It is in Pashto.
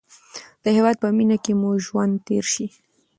د هېواد په مینه کې مو ژوند تېر شي.